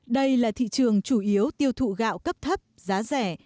đây là thị trường chủ yếu tiêu thụ gạo cấp thấp giá rẻ